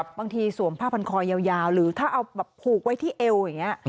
บางทีสวมผ้าพันคอยาวหรือถ้าเอาพูกไว้ที่เอวโอเคไง